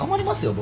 僕。